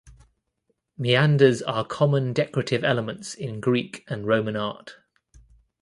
Meanders are common decorative elements in Greek and Roman art.